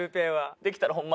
できたらホンマ